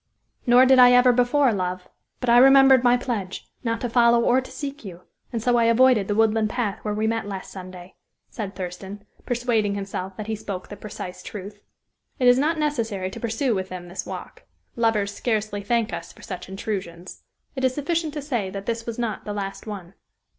"Nor did I ever before, love; but I remembered my pledge, not to follow or to seek you, and so I avoided the woodland path where we met last Sunday," said Thurston, persuading himself that he spoke the precise truth. It is not necessary to pursue with them this walk; lovers scarcely thank us for such intrusions. It is sufficient to say that this was not the last one.